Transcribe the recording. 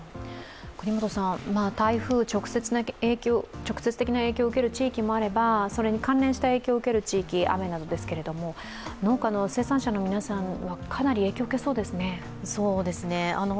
台風の直接的な影響を受ける地域もあれば、それに関連した影響を受ける地域、雨などですけど農家の生産者の皆さんは、かなり影響を受けそうですね。